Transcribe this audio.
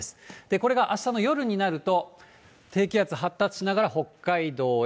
これがあしたの夜になると、低気圧発達しながら北海道へ。